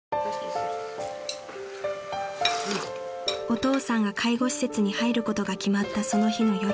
［お父さんが介護施設に入ることが決まったその日の夜］